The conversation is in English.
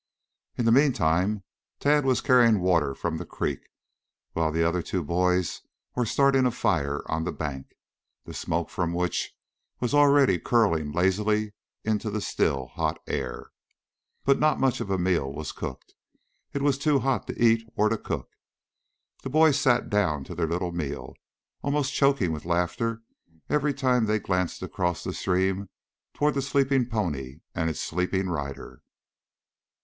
In the meantime Tad was carrying water from the creek, while the other two boys were starting a fire on the bank, the smoke from which was already curling up lazily into the still, hot air. But not much of a meal was cooked. It was too hot to eat or to cook. The boys sat down to their little meal, almost choking with laughter every time they glanced across the stream toward the sleeping pony and its sleeping rider.